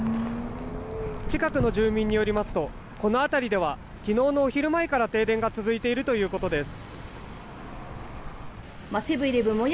近くの住民によりますとこの辺りでは昨日のお昼前から停電が続いているということです。